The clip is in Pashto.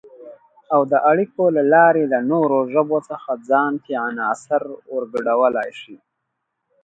او د اړیکو له لارې له نورو ژبو څخه ځان کې عناصر ورګډولای شي